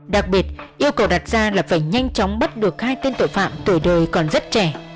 đặc biệt yêu cầu đặt ra là phải nhanh chóng bắt được hai tên tội phạm tuổi đời còn rất trẻ